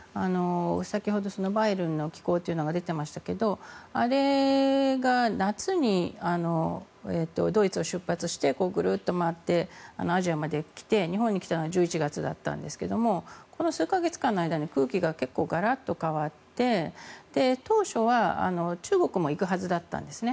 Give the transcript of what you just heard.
先ほど「バイエルン」の寄港というのが出ていましたがあれが夏にドイツを出発してグルッと回ってアジアまで来て日本に来たのは１１月だったんですがこの数か月間の間に空気がガラッと変わって当初は中国も行くはずだったんですね。